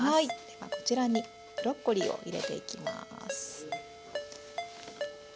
ではこちらにブロッコリーを入れていきます。